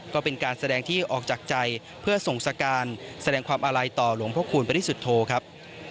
ก็เป็นการแสดงที่ออกจากใจเพื่อส่งสการแสดงความอาลัยต่อหลวงพระคูณปริสุทธโธครับ